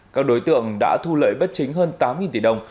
các đối tượng đã thu lợi bất chính hơn tám tỷ đồng